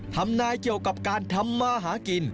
ทำนายเกี่ยวกับการทำมาหากิน